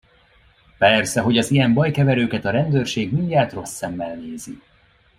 Persze, hogy az ilyen bajkeverőket a rendőrség mindjárt rossz szemmel nézi.